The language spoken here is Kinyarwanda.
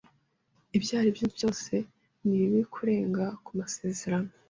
Ibyo ari byo byose, ni bibi kurenga ku masezerano.